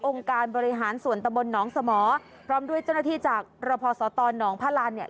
การบริหารส่วนตะบลหนองสมอพร้อมด้วยเจ้าหน้าที่จากรพสตหนองพระรานเนี่ย